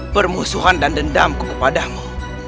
permusuhan dan dendamku kepadamu